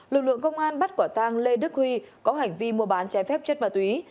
lực lượng công an bắt quả tang lê đức huy có hành vi mua bán trái phép chất ma túy